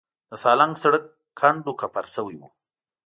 د سالنګ سړک کنډو کپر شوی و.